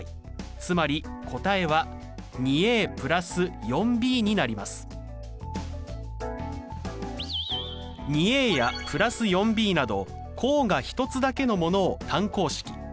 つまり答えは２や＋４ｂなど項が１つだけのものを単項式。